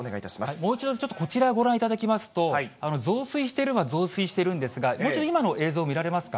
もう一度、ちょっとこちらをご覧いただきますと、増水しているのは増水しているんですが、もう一度今の映像、見られますか。